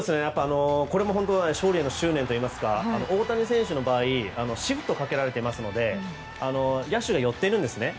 これも勝利への執念といいますか大谷選手の場合シフトをかけられていますので野手が寄ってるんですね。